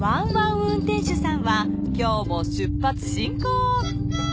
運転手さんは今日も出発進行！